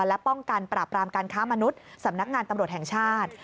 และป้องกันปราบรามการค้ามนุษย์สำนักงานตำรวจแห่งชาติ